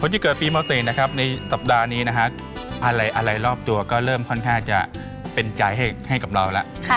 ที่เกิดปีม๔นะครับในสัปดาห์นี้นะฮะอะไรรอบตัวก็เริ่มค่อนข้างจะเป็นใจให้กับเราแล้ว